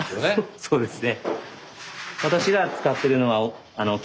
そうですね。